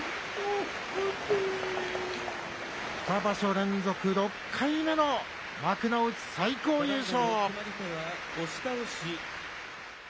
２場所連続６回目の幕内最高優勝。